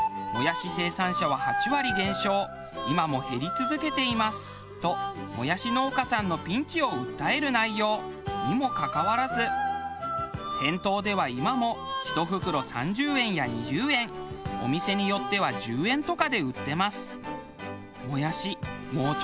その内容は。ともやし農家さんのピンチを訴える内容にもかかわらず店頭では今も１袋３０円や２０円お店によっては１０円とかで売ってます。